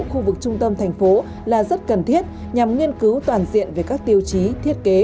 khu vực trung tâm thành phố là rất cần thiết nhằm nghiên cứu toàn diện về các tiêu chí thiết kế